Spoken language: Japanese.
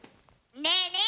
ねえねえ